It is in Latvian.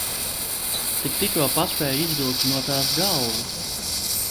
Tik tikko paspēju izvilkt no tās galvu!